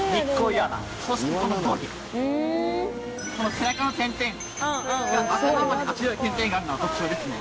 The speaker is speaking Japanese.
この背中の点々が頭まで真っ白い点々があるのが特徴ですね。